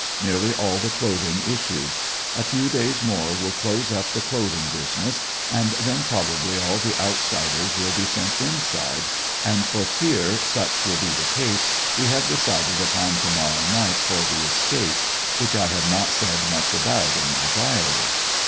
Near ly all the clothing issued . A few da3^s more will close up the clothing business, and then probably all the outsiders will be sent inside; and for fear such will be the case we have decided upon to morrow night for the escape (which I have not said much about in my diary).